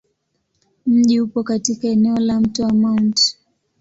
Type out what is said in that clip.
Mji upo katika eneo la Mto wa Mt.